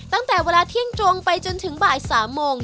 ตั้งแต่เวลาเที่ยงตรงไปจนถึงบ่าย๓โมง